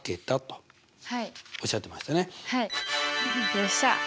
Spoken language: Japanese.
よっしゃ！